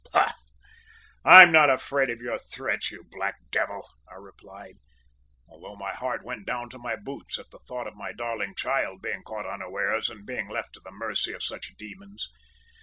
"`Bah! I'm not afraid of your threats, you black devil,' I replied, although my heart went down to my boots at the thought of my darling child being caught unawares and being left to the mercy of such demons.